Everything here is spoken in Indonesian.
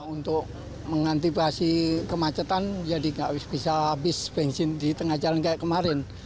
untuk mengantisipasi kemacetan jadi nggak bisa habis bensin di tengah jalan kayak kemarin